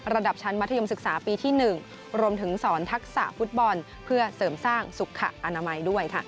ระดับชั้นมัธยมศึกษาปีที่๑